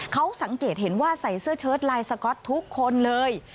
เขาสังเกตเห็นว่าใส่เสื้อเชิดลายสก๊อตทุกคนเลย